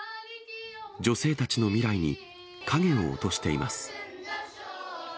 女性たちの未来に影を落としています。